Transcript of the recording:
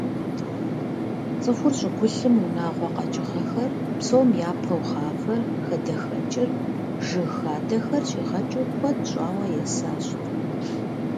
ЦӀыхур щӀыгулъым унагъуэ къэкӀыгъэхэр, псом япэу гъавэр, хадэхэкӀыр, жыг хадэхэр щигъэкӀыу куэд щӀауэ есащ.